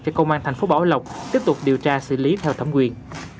cho công an thành phố bảo lộc tiếp tục điều tra xử lý theo thẩm quyền